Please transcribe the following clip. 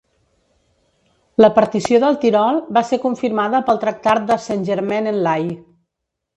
La partició del Tirol va ser confirmada pel Tractat de Saint-Germain-en-Laye.